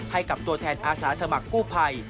ให้กับตัวแทนอาสาสมัครกู้ภัย